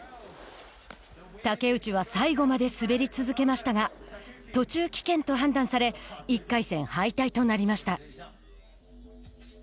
竹内は最後まで滑り続けましたが途中棄権と判断され１回戦敗退となりました。